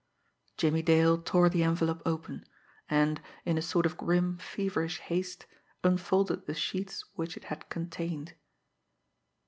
Jimmie Dale tore the envelope open; and, in a sort of grim, feverish haste, unfolded the sheets which it had contained.